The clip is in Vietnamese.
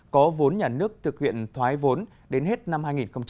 có vốn nhà nước thực hiện thoái vốn đến hết năm hai nghìn hai mươi